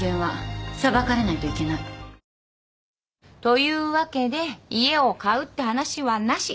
というわけで家を買うって話はなし。